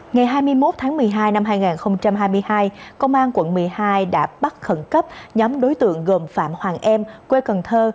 ngày hai mươi một tháng một mươi hai năm hai nghìn hai mươi hai công an quận một mươi hai đã bắt khẩn cấp nhóm đối tượng gồm phạm hoàng em quê cần thơ